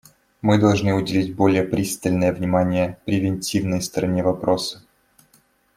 Мы должны уделить более пристальное внимание превентивной стороне вопроса.